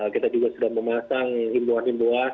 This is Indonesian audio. kita juga sudah memasang himbuan himbuan